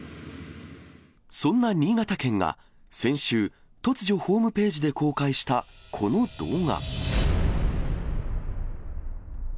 そんな新潟県が先週、突如ホームページで公開した、この動画。